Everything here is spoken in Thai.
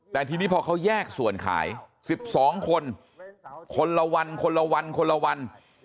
แต่ทีนี้พอเขาแยกส่วนขาย๑๒คนคนละวันคนละวันคนละวัน